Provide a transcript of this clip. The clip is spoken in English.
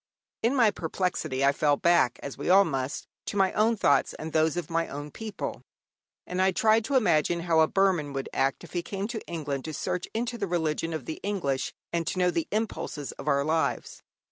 In my perplexity I fell back, as we all must, to my own thoughts and those of my own people; and I tried to imagine how a Burman would act if he came to England to search into the religion of the English and to know the impulses of our lives.